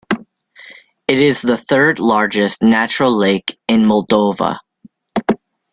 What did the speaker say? It is the third largest natural lake in Moldova.